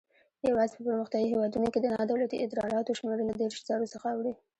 یوازې په پرمختیایي هیوادونو کې د نادولتي ادراراتو شمېر له دېرش زرو څخه اوړي.